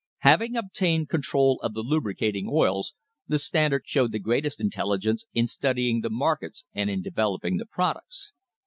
Having obtained control of the lubricating oils, the Stand ard showed the greatest intelligence in studying the markets and in developing the products.